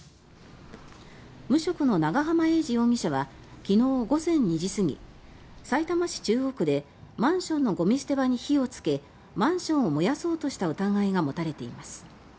無職の長濱英二容疑者は昨日午前２時過ぎさいたま市中央区でマンションのゴミ捨て場に火をつけマンションを燃やそうとした疑いが持たれています。